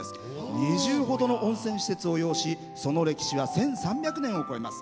２０ほどの温泉を擁しその歴史は１３００年を超えます。